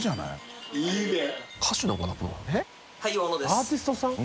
アーティストさん？